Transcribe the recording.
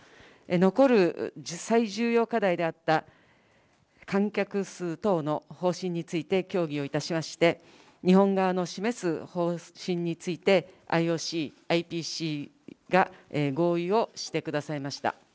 残る最重要課題であった観客数等の方針について、協議をいたしまして、日本側の示す方針について、ＩＯＣ、ＩＰＣが合意をしてくださいました。